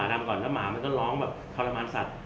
แล้วก็จะร้องแหลกทรมานสัตว์